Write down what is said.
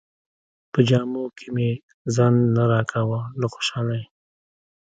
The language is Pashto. په جامو کې مې ځای نه راکاوه له خوشالۍ.